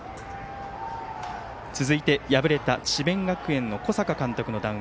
続いて敗れた智弁学園の小坂監督の談話